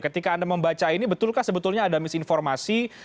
ketika anda membaca ini betulkah sebetulnya ada misinformasi